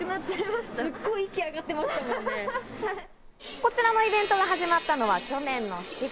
こちらのイベントが始まったのは去年の７月。